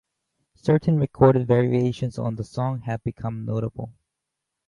Certain recorded variations on the song have become notable.